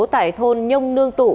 tại thôn nhông nương tụ